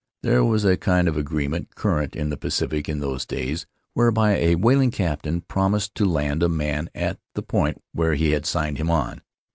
There was a kind of agreement, current in the Pacific in those days, whereby a whaling captain promised to land a man at the point where he had signed him on.